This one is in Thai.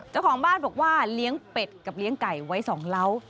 เจ้าของบ้านบอกว่าเลี้ยงเป็ดกับเลี้ยงไก่ไว้๒เล้า